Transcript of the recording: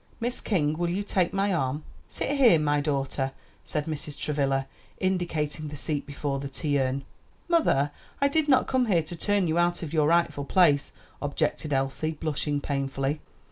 Miss King, will you take my arm?" "Sit here, my daughter," said Mrs. Travilla, indicating the seat before the tea urn. "Mother, I did not come here to turn you out of your rightful place," objected Elsie, blushing painfully.